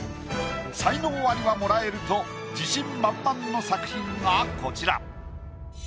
才能アリはもらえると自信満々の作品がこちら。